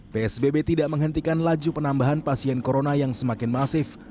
psbb tidak menghentikan laju penambahan pasien corona yang semakin masif